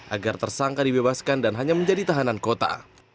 agar tersangka dibebaskan dan hanya menjadi tahanan kota